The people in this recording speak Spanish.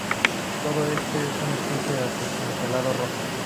Todo esto en un estuche aterciopelado rojo.